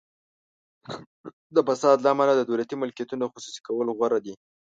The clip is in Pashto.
د فساد له امله د دولتي ملکیتونو خصوصي کول غوره دي.